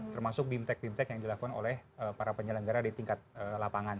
termasuk bimtek bimtek yang dilakukan oleh para penyelenggara di tingkat lapangan